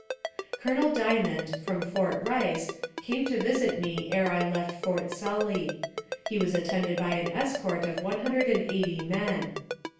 Colonel Diamond, from Fort Rice, came to visit me ere I left Fort Sully. He was attended by an escort of one hundred and eighty men.